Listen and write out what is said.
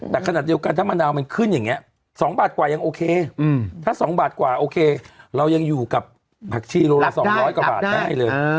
แต่ขนาดเดียวกันถ้ามะนาวมันขึ้นอย่างนี้๒บาทกว่ายังโอเคถ้า๒บาทกว่าโอเคเรายังอยู่กับผักชีโลละ๒๐๐กว่าบาทได้เลย